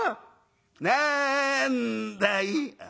「なんだい？」。